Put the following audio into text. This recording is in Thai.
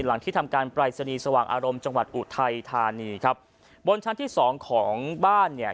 ที่ทำการปรายศนีย์สว่างอารมณ์จังหวัดอุทัยธานีครับบนชั้นที่สองของบ้านเนี่ย